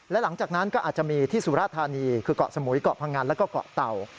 และหลังจากนั้นก็อาจจะมีที่สุราธานีคือเกาะสมุยเกาะพังงันแล้วก็เกาะเต่า